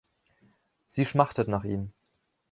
Sie schmachtet nach ihm.